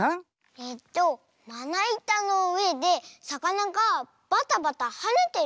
えっとまないたのうえでさかながバタバタはねてるおと？